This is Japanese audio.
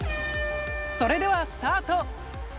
それではスタート。